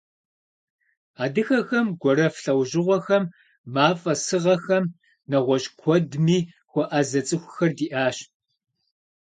Адыгэхэм гуэрэф лӏэужьыгъуэхэм, мафӏэ сыгъэхэм, нэгъуэщӏ куэдми хуэӏэзэ цӏыхухэр диӏащ.